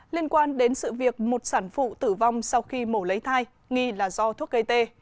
liên quan đến sự việc một sản phụ tử vong sau khi mổ lấy thai nghi là do thuốc gây tê